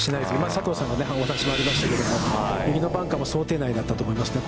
佐藤さんのお話もありましたが、右のバンカーも想定内だったと思いますね。